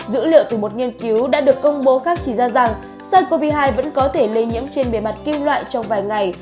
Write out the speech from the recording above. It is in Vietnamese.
dữ liệu từ một nghiên cứu đã được công bố khác chỉ ra rằng sars cov hai vẫn có thể lây nhiễm trên bề mặt kim loại trong vài ngày